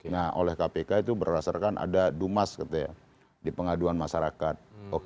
nah oleh kpk itu berdasarkan ada dumas di pengaduan masyarakat